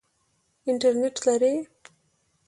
انټرنټ لرئ؟